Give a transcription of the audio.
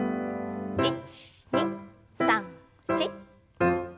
１２３４。